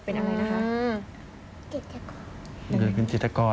จะเป็นจิตรกร